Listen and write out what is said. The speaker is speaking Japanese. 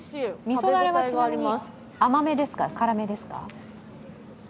みそだれは甘めですか、辛めですか？